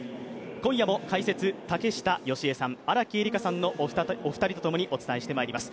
今夜も解説・竹下佳江さん、荒木絵里香さんのお二人とともにお伝えしていきます。